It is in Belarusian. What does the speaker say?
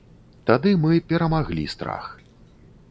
Тады мы перамаглі страх.